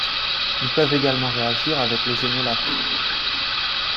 Ils peuvent également réagir avec les énolates.